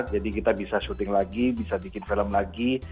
jadi kita bisa syuting lagi bisa bikin film lagi